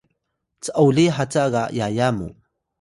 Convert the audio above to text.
c’oli haca ga yaya mu